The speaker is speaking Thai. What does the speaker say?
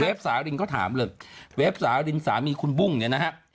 สารินก็ถามเลยเวฟสารินสามีคุณบุ้งเนี่ยนะฮะ